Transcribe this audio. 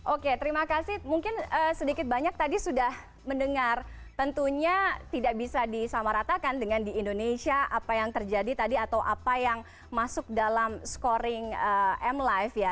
oke terima kasih mungkin sedikit banyak tadi sudah mendengar tentunya tidak bisa disamaratakan dengan di indonesia apa yang terjadi tadi atau apa yang masuk dalam scoring mlife ya